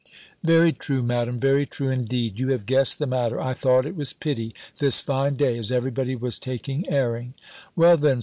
"Very true, Madam! Very true indeed! You have guessed the matter. I thought it was pity, this fine day, as every body was taking airing " "Well then.